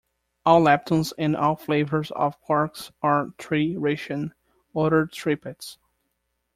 All leptons and all flavours of quarks are three-rishon ordered triplets.